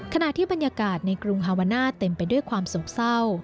ขณะที่บรรยากาศในกรุงฮาวาน่าเต็มไปด้วยความโศกเศร้า